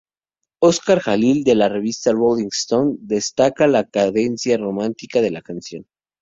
Oscar Jalil, de la revista "Rolling Stone", destaca la "cadencia romántica" de la canción.